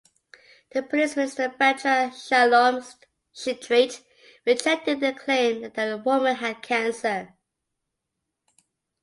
The police minister Bechor-Shalom Sheetrit rejected the claim that the woman had cancer.